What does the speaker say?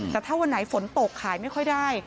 แต่ถ้าวันไหนฝนตกขายไม่ค่อยได้